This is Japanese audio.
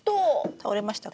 倒れましたか？